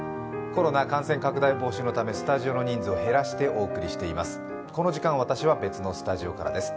コロナ感染拡大防止のためスタジオの人数を減らしてお送りしています。